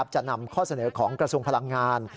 จะนำข้อเสนอของกระทรวงพลังงาน